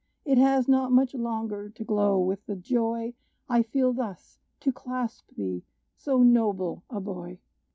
It has not much longer to glow with the joy I feel thus to clasp thee, so noble a boy!